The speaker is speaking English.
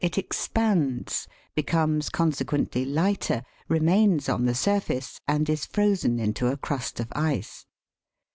it ex pands, becomes consequently lighter, remains on the surface, and is frozen into a crust of ice.